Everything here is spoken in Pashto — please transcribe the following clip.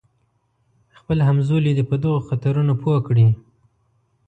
خپل همزولي دې په دغو خطرونو پوه کړي.